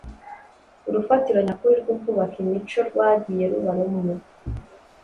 urufatiro nyakuri rwo kubaka imico rwagiye ruba rumwe.